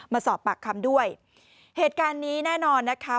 มาสอบปากคำด้วยเหตุการณ์นี้แน่นอนนะคะ